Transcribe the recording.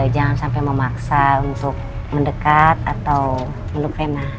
jangan sampai memaksa untuk mendekat atau menuk ren